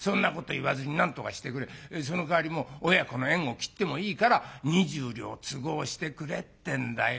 そのかわりもう親子の縁を切ってもいいから２０両都合してくれってんだよ。